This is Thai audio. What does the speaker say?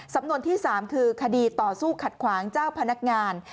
สำนวนที่๓คือคดีต่อสู้ขัดขวางเจ้าพนักงาน